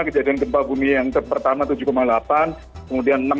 kemudian gempa bumi yang pertama tujuh delapan